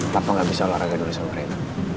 papa gak bisa olahraga dulu sama rena